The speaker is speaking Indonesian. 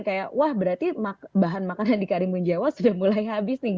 kayak wah berarti bahan makanan di karimun jawa sudah mulai habis nih